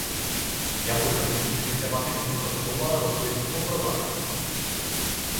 Jako první systematicky prozkoumal rostlinstvo Provence.